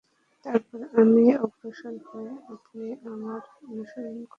তারপর আমি অগ্রসর হলে আপনি আমার অনুসরণ করবেন।